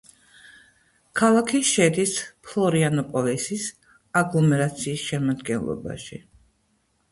ქალაქი შედის ფლორიანოპოლისის აგლომერაციის შემადგენლობაში.